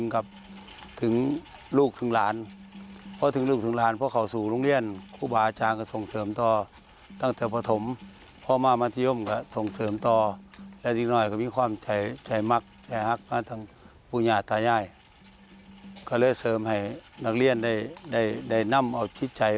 ก็เลยเสริมให้นักเรียนได้นำเอาชิดใจ